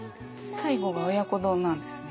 最後が「親子丼」なんですね。